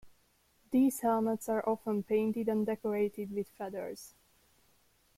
These helmets are often painted and decorated with feathers.